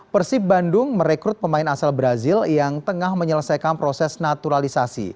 persib bandung merekrut pemain asal brazil yang tengah menyelesaikan proses naturalisasi